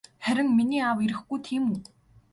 Харин миний аав ирэхгүй тийм үү?